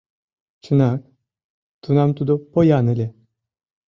Чынак, тунам тудо поян ыле.